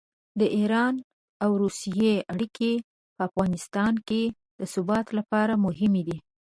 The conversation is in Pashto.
د ایران او روسیې اړیکې په افغانستان کې د ثبات لپاره مهمې دي.